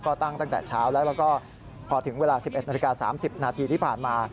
ก็ตั้งตั้งแต่เช้าแล้วก็พอถึงเวลา๑๑๓๐นาทีที่ผ่านมา